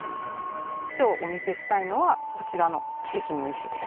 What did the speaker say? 今日お見せしたいのはこちらのキセキの石です。